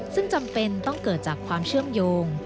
ซึ่งจำเป็นต้องเกิดจากความเชื่อมโยง